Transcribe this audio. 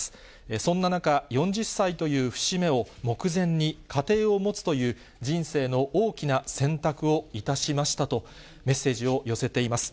そんな中、４０歳という節目を目前に、家庭を持つという人生の大きな選択をいたしましたと、メッセージを寄せています。